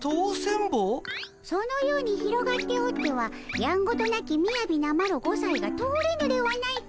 そのように広がっておってはやんごとなきみやびなマロ５さいが通れぬではないか。